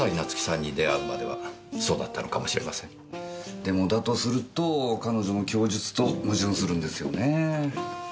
でもだとすると彼女の供述と矛盾するんですよねぇ。